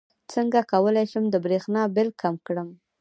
څنګه کولی شم د بریښنا بل کم کړم